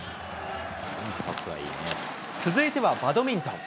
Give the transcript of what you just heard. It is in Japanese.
続いてはバドミントン。